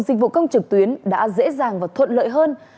dịch vụ công trực tuyến đã dễ dàng và thuận lợi hơn